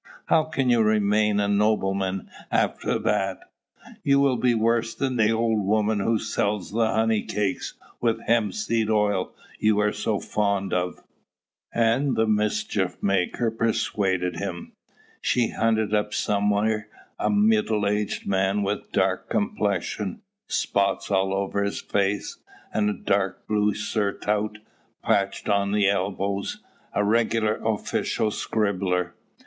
How can you remain a nobleman after that? You will be worse than the old woman who sells the honeycakes with hemp seed oil you are so fond of." And the mischief maker persuaded him. She hunted up somewhere a middle aged man with dark complexion, spots all over his face, and a dark blue surtout patched on the elbows, a regular official scribbler.